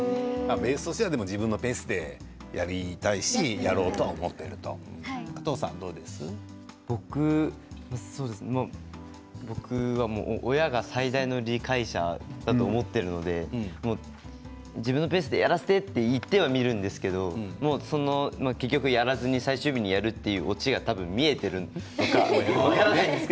自分のペースでやりたいしやろうと思っていると僕は親が最大の理解者だと思っているので自分のペースでやらせてと言っているんですけど結局やらずに最終日にやるというおうちがやっぱり見えていると思うんです。